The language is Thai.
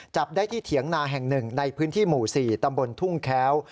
จับได้ที่เถียงนาแห่งหนึ่งในพื้นที่หมู่๔ตำบลทุ่งแค้ว